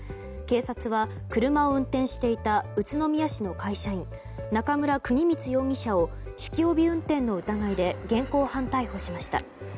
警察は車を運転していた宇都宮市の会社員中村邦光容疑者を酒気帯び運転の疑いで現行犯逮捕しました。